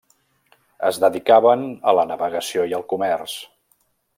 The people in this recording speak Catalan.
Es dedicaven a la navegació i al comerç.